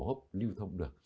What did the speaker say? hốp lưu thông được